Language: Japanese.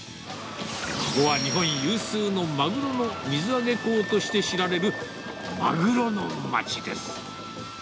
ここは日本有数のマグロの水揚げ港として知られるマグロの町です。